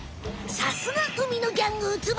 さすがうみのギャングウツボ。